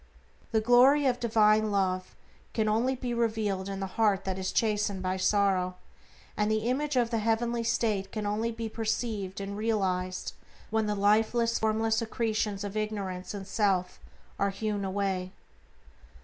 The glory of Divine Love can only be revealed in the heart that is chastened by sorrow, and the image of the heavenly state can only be perceived and realized when the lifeless, formless accretions of ignorance and self are hewn away.